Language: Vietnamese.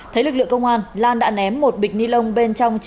thấy lực lượng công an lan đã ném một bịch ni lông bên trong